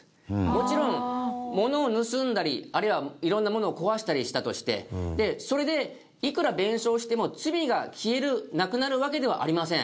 もちろんものを盗んだりあるいは色んなものを壊したりしたとしてそれでいくら弁償しても罪が消えるなくなるわけではありません。